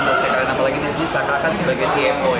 dan apalagi disini saka akan sebagai cfo ya